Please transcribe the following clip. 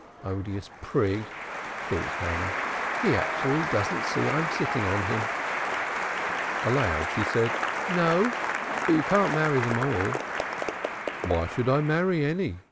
"Odious prig!" thought Hannah. "He actually doesn't see I'm sitting on him!" Aloud she said, "No? But you can't marry them all." "Why should I marry any?"